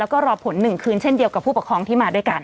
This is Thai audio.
แล้วก็รอผล๑คืนเช่นเดียวกับผู้ปกครองที่มาด้วยกัน